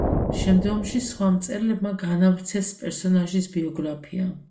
შემდგომში სხვა მწერლებმა განავრცეს პერსონაჟის ბიოგრაფია.